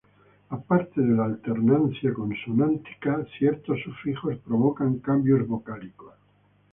Aparte de la alternancia consonántica, ciertos sufijos provocan cambios vocálicos.